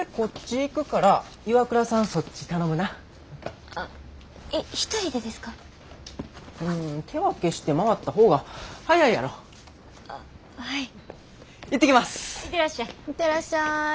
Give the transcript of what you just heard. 行ってらっしゃい。